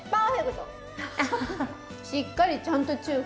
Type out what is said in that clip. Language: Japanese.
しっかりちゃんと中華。